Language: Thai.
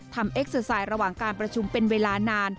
เอ็กเซอร์ไซด์ระหว่างการประชุมเป็นเวลานาน